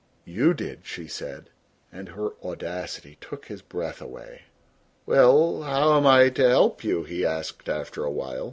"You did," she said, and her audacity took his breath away. "Well, how am I to help you!" he asked after a while.